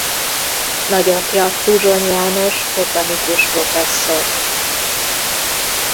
Nagyapja Tuzson János botanikus professzor.